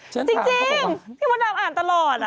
จริงพี่มดดำอ่านตลอด